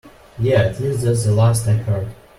Yeah, at least that's the last I heard.